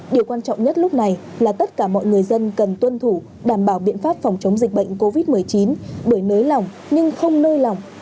điều quan trọng nhất lúc này là tất cả mọi người dân cần tuân thủ đảm bảo biện pháp phòng chống dịch bệnh covid một mươi chín bởi nới lỏng nhưng không nơi lỏng